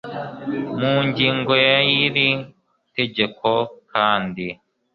mu ngingo ya y iri tegeko kandi